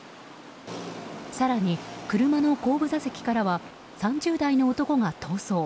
更に車の後部座席からは３０代の男が逃走。